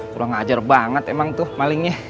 kurang ajar banget emang tuh malingnya